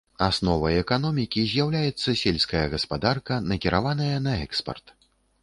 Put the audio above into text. Асновай эканомікі з'яўляецца сельская гаспадарка, накіраваная на экспарт.